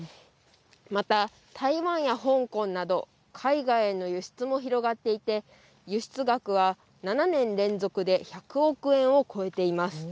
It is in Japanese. また、台湾や香港など、海外への輸出も広がっていて、輸出額は７年連続で１００億円を超えています。